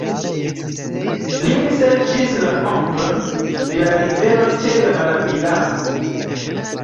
Li serĉis la fonton de la rivero ĉe la Malavi-lago.